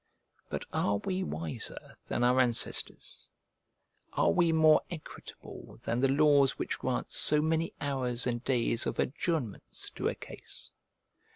But are we wiser than our ancestors? are we more equitable than the laws which grant so many hours and days of adjournments to a case?